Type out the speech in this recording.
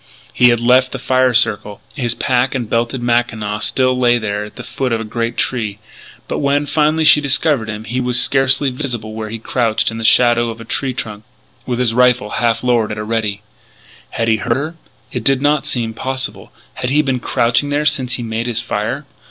He had left the fire circle. His pack and belted mackinaw still lay there at the foot of a great tree. But when, finally, she discovered him, he was scarcely visible where he crouched in the shadow of a tree trunk, with his rifle half lowered at a ready. Had he heard her? It did not seem possible. Had he been crouching there since he made his fire?